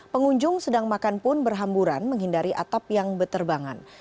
pengunjung sedang makan pun berhamburan menghindari atap yang berterbangan